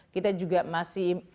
kita juga masih